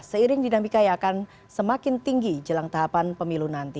seiring dinamika yang akan semakin tinggi jelang tahapan pemilu nanti